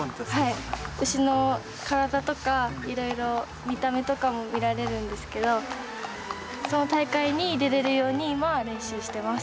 牛の体とかいろいろ見た目とかも見られるんですけどその大会に出れるように今は練習してます。